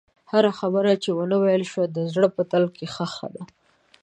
هره خبره چې ونه ویل شوه، د زړه په تله کې ښخ ده.